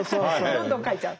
どんどん書いちゃう。